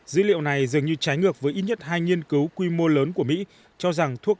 dữ liệu này dường như trái ngược với ít nhất hai nghiên cứu quy mô lớn của mỹ cho rằng thuốc